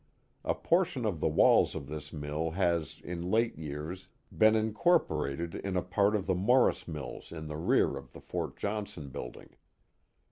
A portion of the walls of this mill has in late years been incorporated in a part of the Morris mills in the rear of the Fort Johnson building.